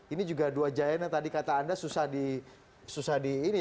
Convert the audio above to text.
ini juga dua jayanya tadi kata anda susah di ini ya